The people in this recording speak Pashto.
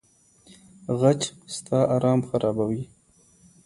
غچ ستا ارام خرابوي.